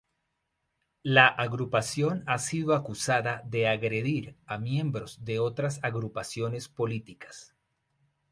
La agrupación ha sido acusada de agredir a miembros de otras agrupaciones políticas.